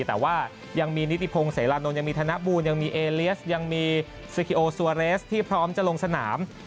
แต่ว่ายังมีนิติพงศ์เสรานนท์ยังมีธนบูลยังมีเอเลียสยังมีซิกิโอซัวเรสที่พร้อมจะลงสนาม